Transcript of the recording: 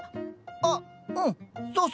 あっうんそうそう。